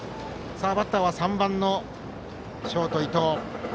バッターは３番のショート、伊藤。